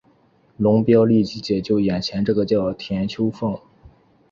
龙飙立即解救眼前这个叫田秋凤。